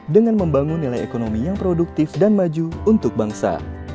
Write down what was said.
dengan membangun nilai ekonomi yang produktif dan maju untuk bangsa